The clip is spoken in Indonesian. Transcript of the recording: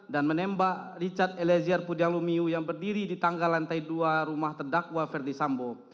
dan menembak richard elezer pudiang lumiu yang berdiri di tangga lantai dua rumah terdakwa ferdi sambo